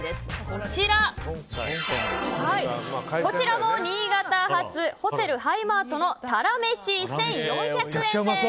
こちらも新潟発ホテルハイマートの鱈めし、１４００円です。